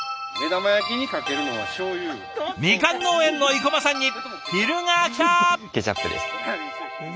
みかん農園の生駒さんに昼がきた！